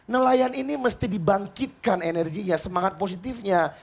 nelayan ini mesti dibangkitkan energinya semangat positifnya